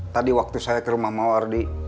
tadi waktu saya ke rumah mawardi